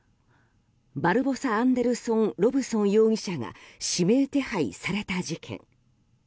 バルボサ・アンデルソン・ロブソン容疑者が指名手配された事件。